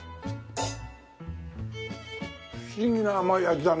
不思議な甘い味だね。